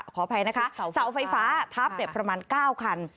ขออภัยนะคะเสาไฟฟ้าทับประมาณ๙คัน